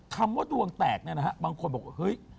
คำว่าดวงแตกนะครับบางคนบอกว่าเฮ้ย